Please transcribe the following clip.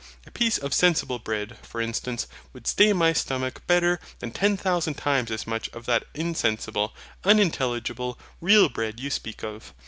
A piece of sensible bread, for instance, would stay my stomach better than ten thousand times as much of that insensible, unintelligible, real bread you speak of.